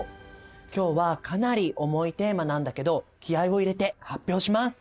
今日はかなり重いテーマなんだけど気合いを入れて発表します。